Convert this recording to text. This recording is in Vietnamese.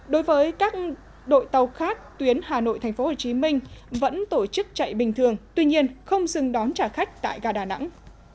đối với các đội tàu khác tuyến hà nội tp hcm vẫn tổ chức chạy bình thường tuy nhiên không dừng đón trả khách tại gà đà nẵng